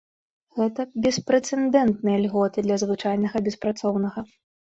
Гэта беспрэцэдэнтныя льготы для звычайнага беспрацоўнага.